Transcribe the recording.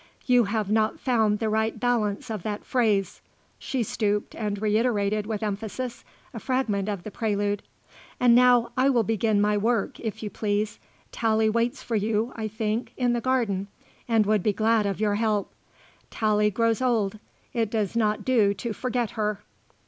You have not found the right balance of that phrase," she stooped and reiterated with emphasis a fragment of the prelude. "And now I will begin my work, if you please. Tallie waits for you, I think, in the garden, and would be glad of your help. Tallie grows old. It does not do to forget her."